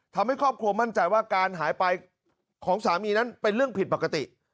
ทำให้ครอบครัวมั่นใจว่าการหายไปของสามีนั้นเป็นเรื่องผิดปกติ